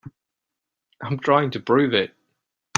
I'm trying to prove it.